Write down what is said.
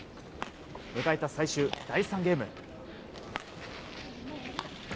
迎えた最終第３ゲーム。